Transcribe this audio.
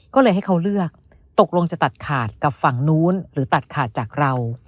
ก็เลยให้เขาเลือกตกลงจะตัดขาดกับฝั่งนู้นหรือตัดขาดจากเรา